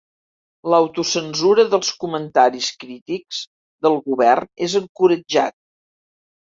L'autocensura dels comentaris crítics del govern és encoratjat.